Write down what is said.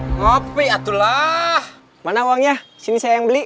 ngapain dia kesini